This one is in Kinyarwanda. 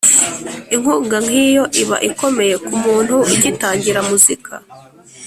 inkunga nk’iyo iba ikomeye ku muntu ugitangira muzika.